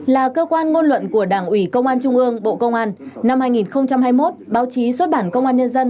là cơ quan ngôn luận của đảng ủy công an trung ương bộ công an năm hai nghìn hai mươi một báo chí xuất bản công an nhân dân